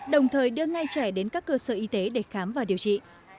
đồng thời đưa ngay trẻ đến các cơ sở y tế để khám và điều trị